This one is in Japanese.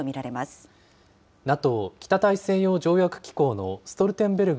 ＮＡＴＯ・北大西洋条約機構のストルテンベルグ